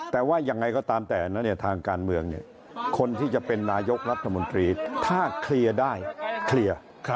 แต่ว่ายังไงก็ตามแต่ทางการเมืองคนที่จะเป็นนายกรัฐมนตรีถ้าเคลียร์ได้เคลียร์